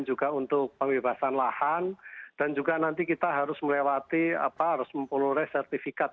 juga untuk pembebasan lahan dan juga nanti kita harus melewati apa harus memperoleh sertifikat